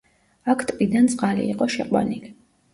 აქ ტბიდან წყალი იყო შეყვანილი.